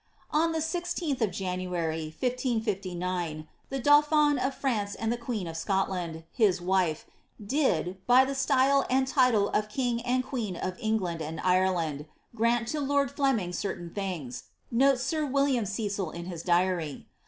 '*6n the 1 6th of January, 1559, the dauphin of France and the queen of Scotland, his wife, did, by the style and title of king and queen of England and Ireland, grant to lord Fleming certain things,^' notes sir William Cecil in his diary.